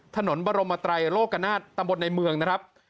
ถนนบรมไตรโลกนาฏตำบลในเมืองนะครับ